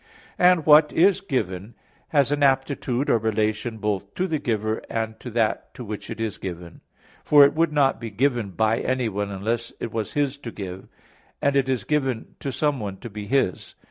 And what is given has an aptitude or relation both to the giver and to that to which it is given. For it would not be given by anyone, unless it was his to give; and it is given to someone to be his.